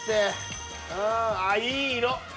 ああいい色！